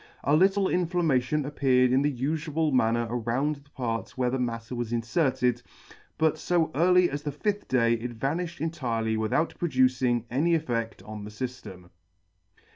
A little inflammation appeared, in the ufual manner around the parts where the matter was iriferted, but fo early as the fifth day it vaniihed entirely without producing any effed on the fyftem.